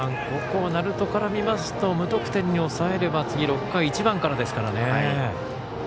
ここは鳴門から見ますと無得点に抑えますと次６回、１番からですからね。